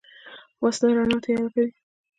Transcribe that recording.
وسله رڼا تیاره کوي